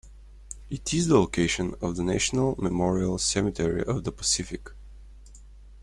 It is the location of the National Memorial Cemetery of the Pacific.